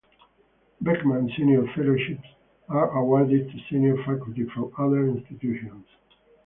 Beckman Senior Fellowships are awarded to senior faculty from other institutions.